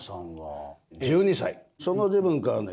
その時分からね